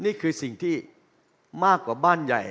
นี่คือสิ่งที่มากกว่าบ้านใหญ่